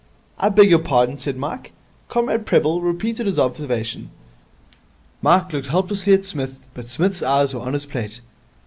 'I beg your pardon?' said Mike. Comrade Prebble repeated his observation. Mike looked helplessly at Psmith, but Psmith's eyes were on his plate.